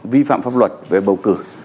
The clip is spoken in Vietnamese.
vi phạm pháp luật về bầu cử